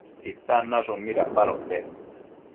¿Titan nashun midapadopec?